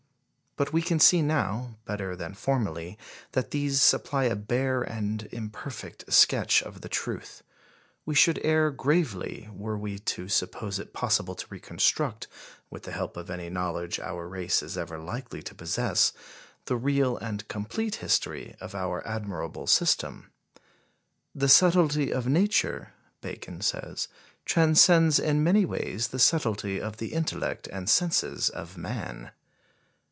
But we can see now, better than formerly, that these supply a bare and imperfect sketch of the truth. We should err gravely were we to suppose it possible to reconstruct, with the help of any knowledge our race is ever likely to possess, the real and complete history of our admirable system. "The subtlety of nature," Bacon says, "transcends in many ways the subtlety of the intellect and senses of man."